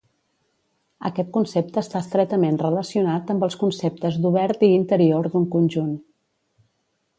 Aquest concepte està estretament relacionat amb els conceptes d'obert i interior d'un conjunt.